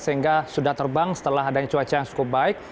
sehingga sudah terbang setelah adanya cuaca yang cukup baik